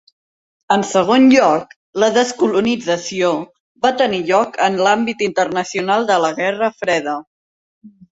En segon lloc, la descolonització va tenir lloc en l'àmbit internacional de la Guerra Freda.